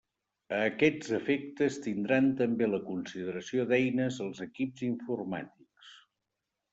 A aquests efectes tindran també la consideració d'eines els equips informàtics.